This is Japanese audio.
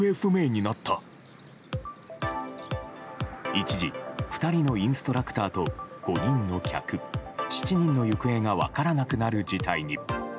一時２人のインストラクターと５人の客７人の行方が分からなくなる事態に。